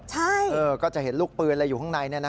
ใช่ก็จะเห็นลูกปืนอะไรอยู่ข้างใน